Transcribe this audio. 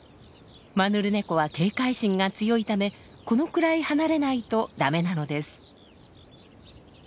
マヌルネコは警戒心が強いためこのくらい離れないとダメなのです。